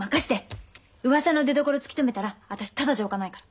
うわさの出どころ突き止めたら私ただじゃおかないから。